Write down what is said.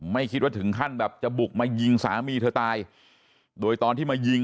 ไม่คิดว่าถึงขั้นแบบจะบุกมายิงสามีเธอตายโดยตอนที่มายิง